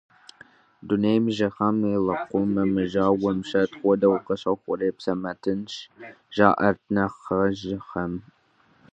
Дунейм ехыжам а лэкъумым и жьауэм щӀэт хуэдэу къыщохъури и псэр мэтынш, жаӀэрт нэхъыжьхэм.